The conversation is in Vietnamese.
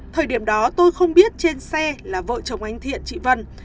thời điểm đó tôi không biết trên xe là vợ chồng anh thiện chị vân